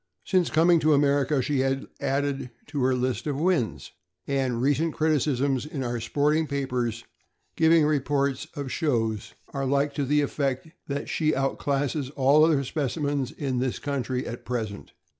Since coming to Amer ica, she has added to her list of wins, and recent criticisms in our sporting papers, giving reports of shows, are to the effect that she outclasses all other specimens in this country at present.